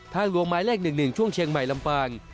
ทางลวงไมล์แรก๑๑ช่วงเชียงใหม่ลำปาง